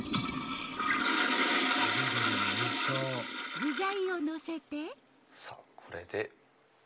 揚げ鶏もおいしそうさぁこれで。